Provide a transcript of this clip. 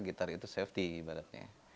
guitar itu safety ibaratnya